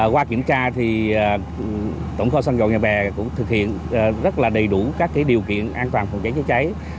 qua kiểm tra thì tổng kho sân dầu nhà bè cũng thực hiện rất là đầy đủ các điều kiện an toàn phòng cháy chữa cháy